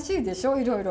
いろいろ。